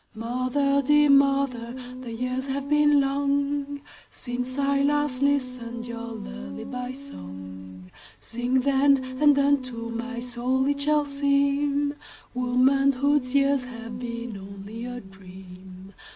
Mother, dear mother, the years have been longSince I last listened your lullaby song:Sing, then, and unto my soul it shall seemWomanhood's years have been only a dream.